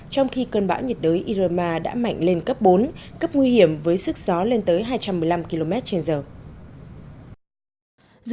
trong khi cơn bão nhiệt đới irema đã mạnh lên cấp bốn cấp nguy hiểm với sức gió lên tới hai trăm một mươi năm km trên giờ